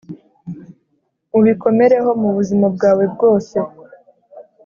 ubikomereho mu buzima bwawe bwose,